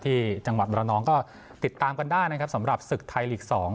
ที่จังหวัดมรนองก็ติดตามกันได้นะครับสำหรับศึกไทยลีก๒